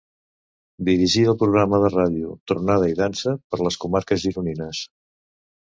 Dirigí el programa de ràdio Tronada i Dansa per les comarques gironines.